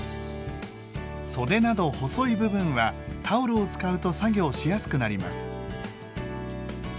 袖など細い部分はタオルを使うと作業しやすくなります。